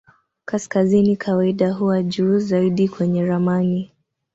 Kaskazini kawaida huwa juu zaidi kwenye ramani.